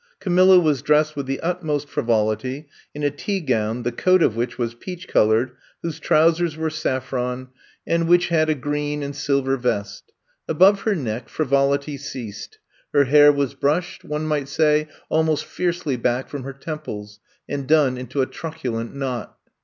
Camilla was dressed with the utmost frivolity, in a tea gown that coat of which was peach colored, whose trousers were saffron, and which had 35 36 I'VE COMB TO STAY a green and silver vest. Above her neck frivolity ceased ; her hair was brushed, one might say, almost fiercely back from her temples, and done into a truculejit knot.